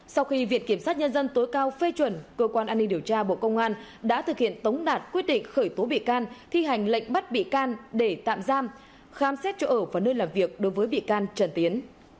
sau khi viện kiểm sát nhân dân tối cao phê chuẩn cơ quan an ninh điều tra bộ công an đã thực hiện tống đạt quyết định khởi tố bị can thi hành lệnh bắt bị can để tạm giam khám xét chỗ ở và nơi làm việc đối với bị can trần tiến